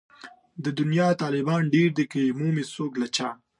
د دنيا طالبان ډېر دي که يې مومي څوک له چا